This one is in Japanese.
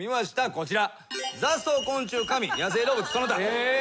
こちら。